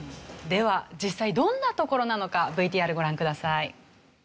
では実際どんな所なのかＶＴＲご覧ください。